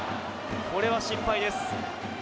これは心配です。